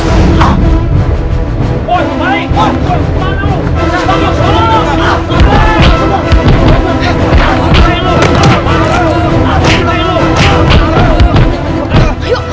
oh balik balik